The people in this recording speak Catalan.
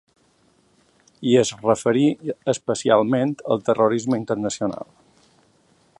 I es referí especialment al ‘terrorisme internacional’.